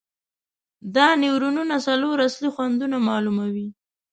دا نیورونونه څلور اصلي خوندونه معلوموي.